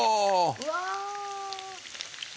うわ！